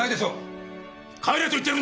帰れと言ってるんだ！